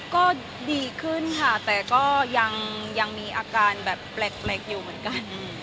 ก็ดีขึ้นค่ะแต่ก็ยังมีอาการแบบแปลกอยู่เหมือนกัน